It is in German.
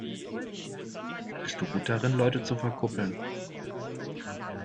Bist du gut darin, Leute zu verkuppeln?